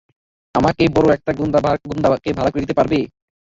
আমাকে বড় একটা গুন্ডাকে ভাড়া করে দিতে পারবে?